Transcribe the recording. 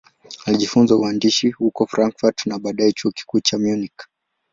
Alijifunza uhandisi huko Frankfurt na baadaye Chuo Kikuu cha Munich.